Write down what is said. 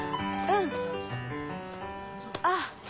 うん。あっ。